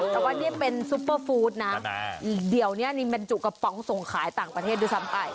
แต่ว่านี่เป็นซุปเปอร์ฟู้ดนะเดี๋ยวนี้นี่บรรจุกระป๋องส่งขายต่างประเทศด้วยซ้ำไป